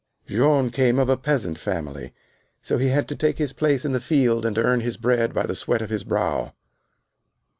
Jean came of a peasant family, so he had to take his place in the field and earn his bread "by the sweat of his brow."